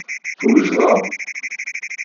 Twejdeḍ.